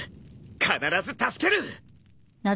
必ず助ける！